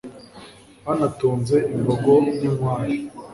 Banatunze imbogo ninkware